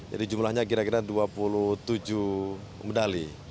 jadi jumlahnya kira kira dua puluh tujuh medali